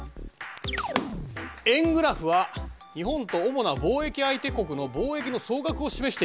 円グラフは日本と主な貿易相手国の貿易の総額を示している。